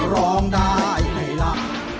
ร้องได้ให้ได้